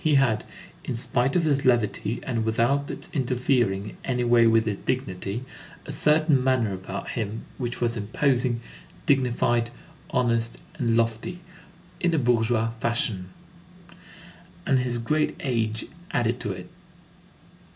He had, in spite of his levity, and without its interfering in any way with his dignity, a certain manner about him which was imposing, dignified, honest, and lofty, in a bourgeois fashion; and his great age added to it.